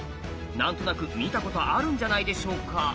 なんとなく見たことあるんじゃないでしょうか。